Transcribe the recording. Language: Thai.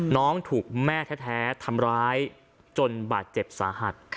น้องถูกแม่แท้ทำร้ายจนบาดเจ็บสาหัส